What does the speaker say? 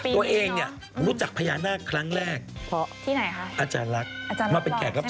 ตัวเองเนี่ยรู้จักพญานาคครั้งแรก